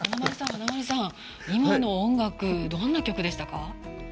華丸さん、今の音楽どんな曲でしたか？